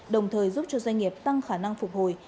đồng thời giúp cho doanh nghiệp tăng khả năng phục hồi